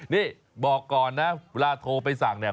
นี่บอกก่อนนะเวลาโทรไปสั่งเนี่ย